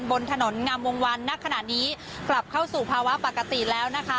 บนถนนงามวงวันณขณะนี้กลับเข้าสู่ภาวะปกติแล้วนะคะ